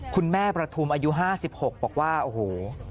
ประทุมอายุ๕๖บอกว่าโอ้โห